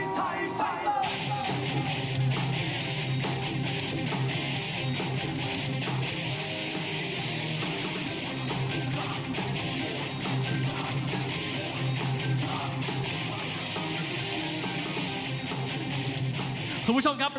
คุณผู้ชมครับ